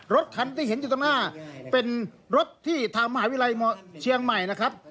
รถคันที่เห็นอยู่ตรงหน้าเป็นรถที่ทางมหาวิทยาลัยเชียงใหม่นะครับ